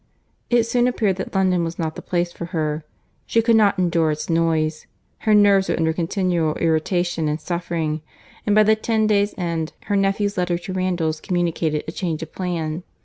It soon appeared that London was not the place for her. She could not endure its noise. Her nerves were under continual irritation and suffering; and by the ten days' end, her nephew's letter to Randalls communicated a change of plan.